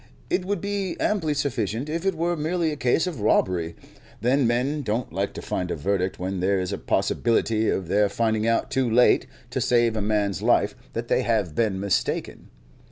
It would be amply sufficient if it were merely a case of robbery, but men don't like to find a verdict when there is a possibility of their finding out too late to save a man's life that they have been mistaken.